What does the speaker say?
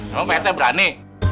emang pak rt berani